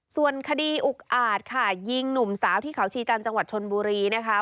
ส่วนคดีอุกอาจค่ะยิงหนุ่มสาวที่เขาชีจันทร์จังหวัดชนบุรีนะคะ